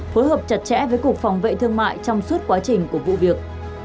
phối hợp chặt chẽ với cục phòng vệ thương mại trong suốt quá trình của vụ việc